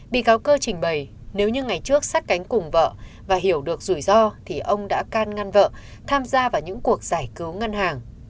bị cáo cơ trình bày nếu như ngày trước sát cánh cùng vợ và hiểu được rủi ro thì ông đã can ngăn vợ tham gia vào những cuộc giải cứu ngân hàng